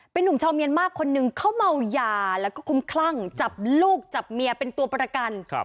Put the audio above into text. เป็นนุ่มชาวเมียนมากคนหนึ่งเขาเมายาแล้วก็คุ้มคลั่งจับลูกจับเมียเป็นตัวประกัน